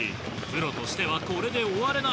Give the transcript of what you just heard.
プロとしてはこれで終われない。